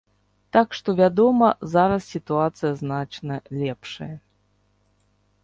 Так што, вядома, зараз сітуацыя значна лепшая.